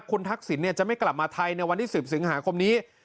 คุณทักษิณจะไม่กลับมาไทยในวันที่๑๐สิงหาคมนี้